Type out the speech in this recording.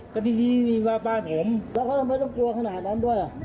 ก็ดีนี่ว่าบ้านผมแล้วเขาทำไมต้องกลัวขนาดนั้นด้วย